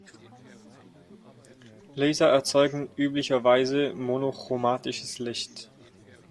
Laser erzeugen üblicherweise monochromatisches Licht.